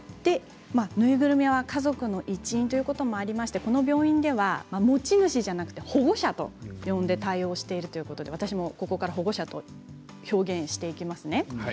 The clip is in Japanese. ぬいぐるみは家族の一員ということもありましてこの病院では持ち主ではなくて保護者と呼んで対応しているということで私もここから保護者と呼んで表現していきますね。